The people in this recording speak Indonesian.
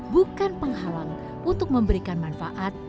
bukan penghalang untuk memberikan manfaat